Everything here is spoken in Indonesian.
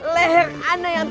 leher anak yang